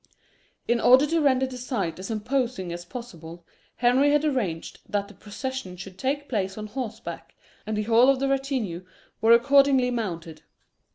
In order to render the sight as imposing as possible, Henry had arranged that the procession should take place on horseback, and the whole of the retinue were accordingly mounted.